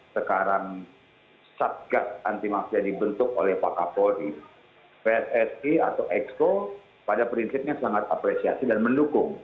sekarang satgas anti mafia dibentuk oleh pak kapolri pssi atau exco pada prinsipnya sangat apresiasi dan mendukung